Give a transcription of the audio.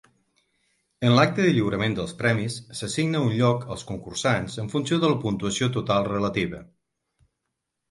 En l'acte de lliurament dels premis, s'assigna un lloc als concursants en funció de la puntuació total relativa.